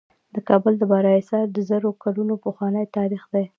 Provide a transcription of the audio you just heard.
د کابل د بالا حصار د زرو کلونو پخوانی تاریخ لري